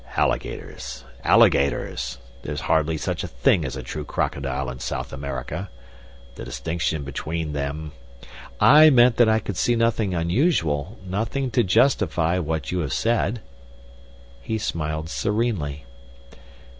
"Alligators! Alligators! There is hardly such a thing as a true crocodile in South America. The distinction between them " "I meant that I could see nothing unusual nothing to justify what you have said." He smiled serenely.